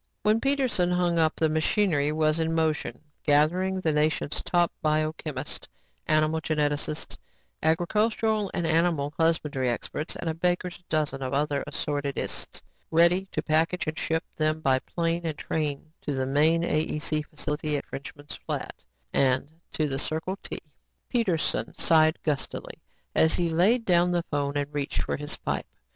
When Peterson hung up, the machinery was in motion gathering the nation's top biochemists, animal geneticists, agricultural and animal husbandry experts and a baker's dozen of other assorted ists, ready to package and ship them by plane and train to the main AEC facility at Frenchman's Flat and to the Circle T. Peterson sighed gustily as he laid down the phone and reached for his pipe.